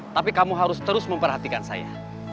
tapi kamu harus terus memperhatikan saya